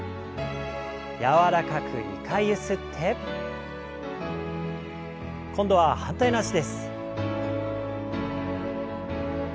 柔らかく２回ゆすって。今度は反対の脚です。